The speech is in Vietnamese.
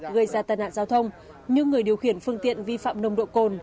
gây ra tai nạn giao thông như người điều khiển phương tiện vi phạm nồng độ cồn